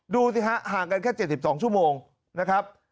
ดูสิฮะห่างกันแค่๗๒ชั่วโมงนะครับ